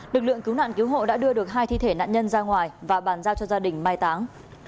lực lượng cứu nạn cứu hộ đã đưa được hai thi thể nạn nhân ra ngoài và bàn giao cho gia đình mai táng